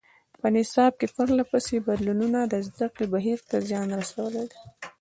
په نصاب کې پرله پسې بدلونونو د زده کړې بهیر ته زیان رسولی دی.